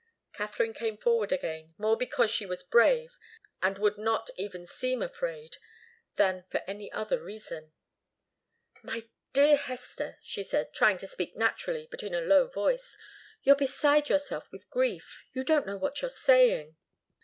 Katharine came forward again, more because she was brave and would not even seem afraid, than for any other reason. "My dear Hester," she said, trying to speak naturally, but in a low voice, "you're beside yourself with grief. You don't know what you're saying."